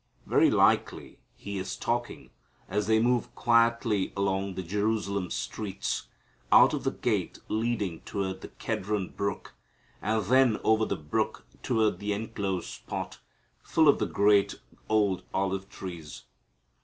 Very likely He is talking, as they move quietly along the Jerusalem streets, out of the gate leading toward the Kedron brook, and then over the brook toward the enclosed spot, full of the great old olive trees.